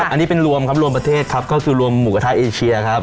อันนี้เป็นรวมครับรวมประเทศครับก็คือรวมหมูกระทะเอเชียครับ